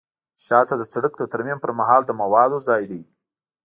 شانه د سرک د ترمیم پر مهال د موادو ځای دی